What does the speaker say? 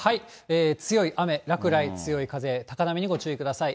強い雨、落雷、強い風、高波にご注意ください。